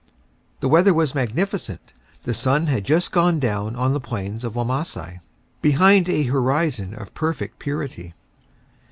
The weather was magnificent. The sun had just gone down on the plains of Wamasai, behind a horizon of perfect purity.